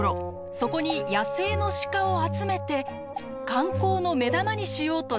そこに野生の鹿を集めて観光の目玉にしようとしました。